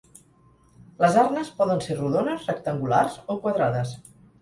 Les arnes poden ser rodones, rectangulars o quadrades.